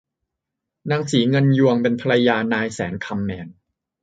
นางศรีเงินยวงเป็นภรรยานายแสนคำแมน